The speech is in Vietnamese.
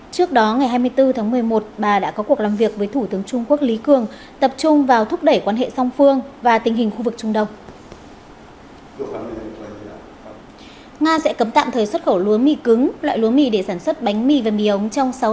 trước đó ngày hai mươi bốn tháng một mươi một bà đã có cuộc làm việc với thủ tướng trung quốc lý cường tập trung vào thúc đẩy quan hệ song phương và tình hình khu vực trung đông